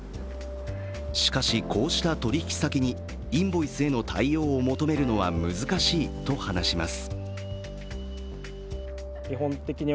しかし、こうした取引先にインボイスへの対応を求めるのは難しいと話します。